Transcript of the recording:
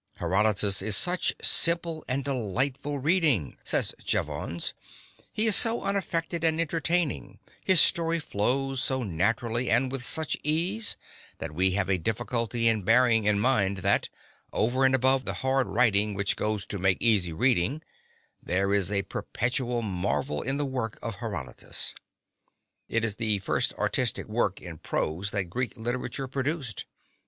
"Herodotus is such simple and delightful reading," says Jevons; "he is so unaffected and entertaining, his story flows so naturally and with such ease that we have a difficulty in bearing in mind that, over and above the hard writing which goes to make easy reading there is a perpetual marvel in the work of Herodotus. It is the first artistic work in prose that Greek literature produced.